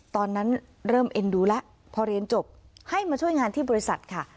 ตอนนั้นเริ่มเอ็นดูแล้วพอเรียนจบให้มาช่วยงานที่บริษัทค่ะ